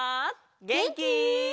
げんき？